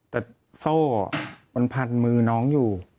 แต่โซ่มันพันมือน้องอยู่